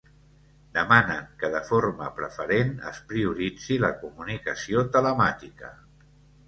Demanen que de forma preferent és prioritzi la comunicació telemàtica.